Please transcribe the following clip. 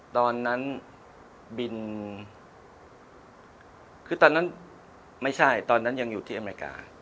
ตอนนั้นบินคือตอนนั้นไม่ใช่ตอนนั้นยังอยู่ที่อเมริกา